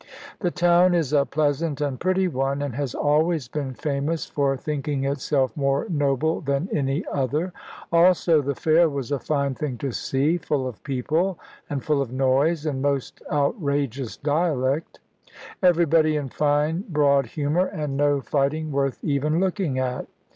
The town is a pleasant and pretty one, and has always been famous for thinking itself more noble than any other; also the fair was a fine thing to see, full of people, and full of noise, and most outrageous dialect; everybody in fine broad humour, and no fighting worth even looking at.